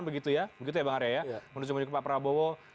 begitu ya begitu ya bang arya ya menuju menuju ke pak prabowo